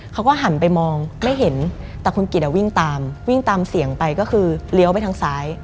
เขาก็หันไปมองไม่เห็นแต่คุณกิจวิ่งตามวิ่งตามเสียงไปก็คือเลี้ยวไปทางซ้าย